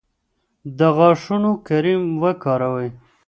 د غاښونو کریم وکاروئ.